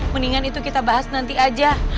mendingan itu kita bahas nanti aja